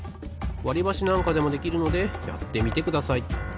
わりばしなんかでもできるのでやってみてください。